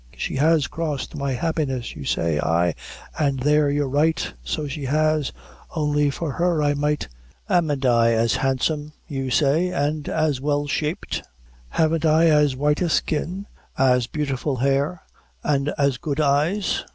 She has crossed my happiness, you say ay, an' there you're right so she has only for her I might amn't I as handsome, you say, an' as well shaped haven't I as white a skin? as beautiful hair, an' as good eyes?